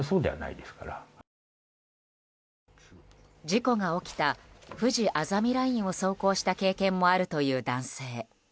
事故が起きたふじあざみラインを走行した経験もあるという男性。